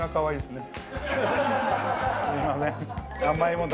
すみません。